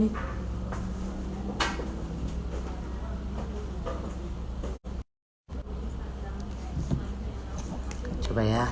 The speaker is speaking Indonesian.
di sini kalau berani